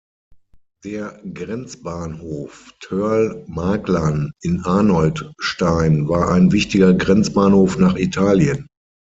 Der Grenzbahnhof Thörl-Maglern in Arnoldstein war ein wichtiger Grenzbahnhof nach Italien.